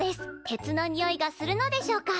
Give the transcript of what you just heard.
鉄のニオイがするのでしょうか？